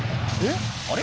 あれ？